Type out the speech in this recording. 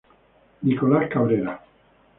Nicolás Cabrera.